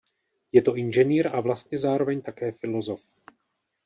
Je to inženýr a vlastně zároveň také filosof.